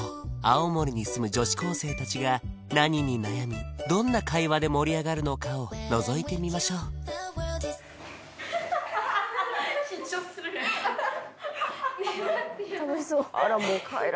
青森に住む女子高生達が何に悩みどんな会話で盛り上がるのかをのぞいてみましょう緊張するよねやばい